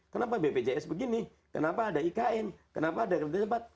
kenapa bpjs begini kenapa ada ikn kenapa ada